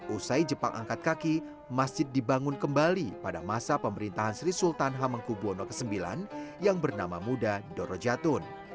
usai jepang angkat kaki masjid dibangun kembali pada masa pemerintahan sri sultan hamengku buwono ix yang bernama muda doro jatun